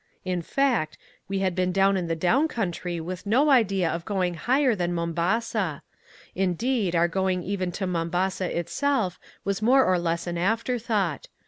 In fact, we had been down in the down country with no idea of going higher than Mombasa. Indeed, our going even to Mombasa itself was more or less an afterthought.